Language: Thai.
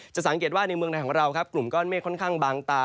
สังเกตว่าในเมืองไทยของเราครับกลุ่มก้อนเมฆค่อนข้างบางตา